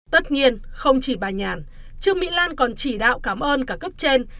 tất nhiên không chỉ bà nhàn trương mỹ lan còn chỉ đạo cảm ơn cả cấp trên